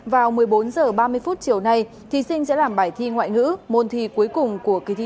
vào một mươi bốn h ba mươi chiều nay thí sinh sẽ làm bài thi ngoại ngữ môn thi cuối cùng của kỳ thi